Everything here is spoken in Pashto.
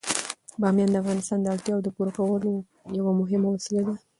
بامیان د افغانانو د اړتیاوو د پوره کولو یوه مهمه وسیله ده.